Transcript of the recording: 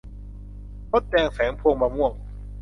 มดแดงแฝงพวงมะม่วง